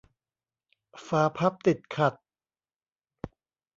ฝาพับติดขัด